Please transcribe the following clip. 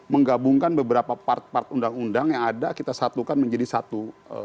menggabungkan beberapa part part undang undang yang ada kita satukan menjadi satu